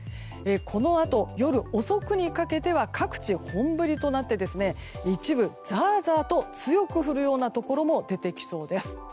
このあと夜遅くにかけては各地、本降りとなって一部ザーザーと強く降るようなところも出てきそうです。